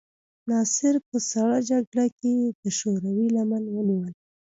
ناصر په سړه جګړه کې د شوروي لمن ونیوله.